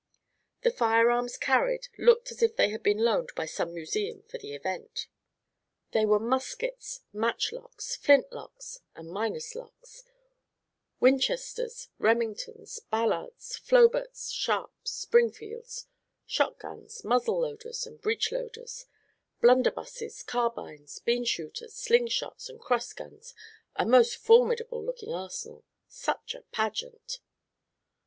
The firearms carried looked as if they had been loaned by some museum for the event. They were muskets, match locks, flint locks, and minus locks; Winchesters, Remingtons, Ballards, Floberts, Sharps, Springfields; shot guns, muzzle loaders and breach loaders; blunderbusses; carbines, bean shooters, sling shots and cross guns a most formidable looking arsenal. Such a pageant!